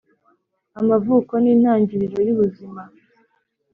amavuko nintangiriro yubuzima.